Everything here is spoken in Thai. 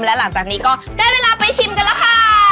และหลังจากนี้ก็ได้เวลาไปชิมกันแล้วค่ะ